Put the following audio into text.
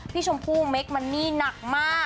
ชมพู่เมคมันนี่หนักมาก